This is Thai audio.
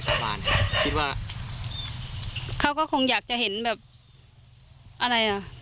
ประมาณคิดว่าเขาก็คงอยากจะเห็นแบบอะไรอ่ะ